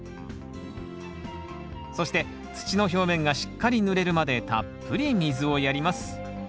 そして土の表面がしっかりぬれるまでたっぷり水をやります。